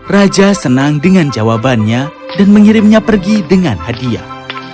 raja senang dengan jawabannya dan mengirimnya pergi dengan hadiah